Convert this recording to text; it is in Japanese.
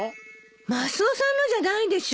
マスオさんのじゃないでしょ？